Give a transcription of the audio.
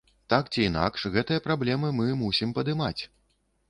Так ці інакш, гэтыя праблемы мы мусім падымаць.